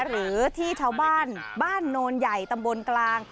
หรือที่ชาวบ้านบ้านโนนใหญ่ตำบลกลาง